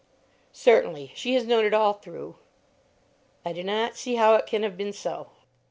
"Certainly. She has known it all through." "I do not see how it can have been so."